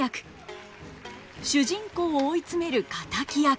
主人公を追い詰める敵役。